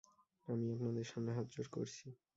আমি আপনাদের সামনে হতজোড় করছি।